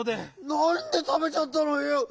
なんでたべちゃったのよ？